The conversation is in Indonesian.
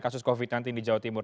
kasus covid nanti di jawa timur